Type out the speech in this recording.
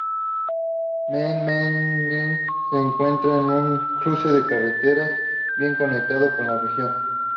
Memmingen se encuentra en un cruce de carreteras, bien conectado con la región.